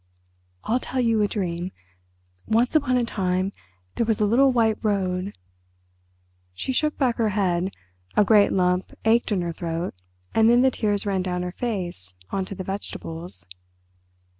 I'll tell you a dream. Once upon a time there was a little white road—" She shook back her head, a great lump ached in her throat and then the tears ran down her face on to the vegetables.